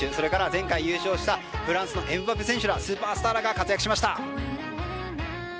前回優勝したフランスのエムバペ選手スーパースターらが活躍しました。